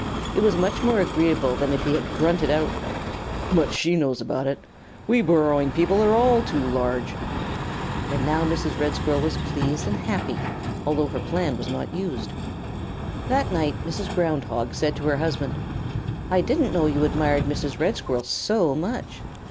It was much more agreeable than if he had grunted out, "Much she knows about it! We burrowing people are all too large." And now Mrs. Red Squirrel was pleased and happy although her plan was not used. That night Mrs. Ground Hog said to her husband: "I didn't know you admired Mrs. Red Squirrel so much."